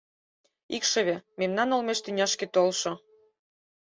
Икшыве — мемнан олмеш тӱняшке толшо.